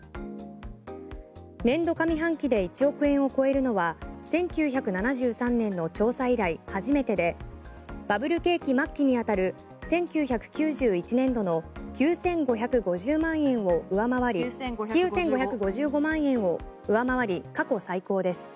年度上半期で１億円を超えるのは１９７３年の調査以来初めてでバブル景気末期に当たる１９９１年度の９５５５万円を上回り過去最高です。